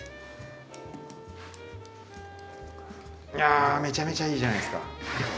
あめちゃめちゃいいじゃないですか。